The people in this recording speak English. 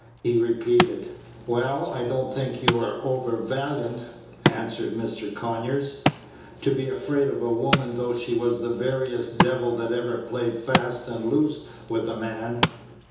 he repeated. "Well, I do n't think you are over valiant," answered Mr. Conyers, "to be afraid of a woman, though she was the veriest devil that ever played fast and loose with a man."